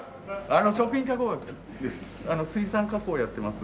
食品加工です。